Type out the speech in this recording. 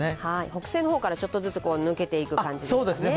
北西の方からちょっとずつ抜けていく感じですね。